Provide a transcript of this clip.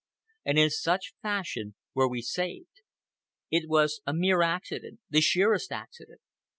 And in such fashion were we saved. It was a mere accident—the sheerest accident.